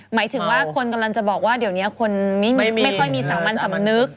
หมายถึงว่าคนกำลังจะบอกว่าเดี๋ยวนี้คนไม่ค่อยมีสามัญสำนึก